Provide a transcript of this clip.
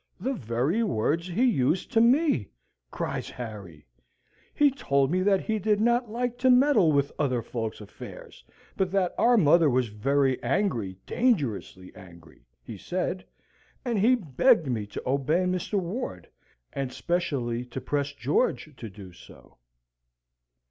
"The very words he used to me," cries Harry. "He told me that he did not like to meddle with other folks' affairs, but that our mother was very angry, dangerously angry, he said, and he begged me to obey Mr. Ward, and specially to press George to do so."